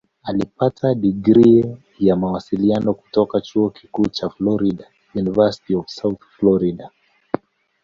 Alipata digrii ya Mawasiliano kutoka Chuo Kikuu cha Florida "University of South Florida".